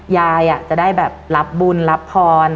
ยายจะได้แบบรับบุญรับพร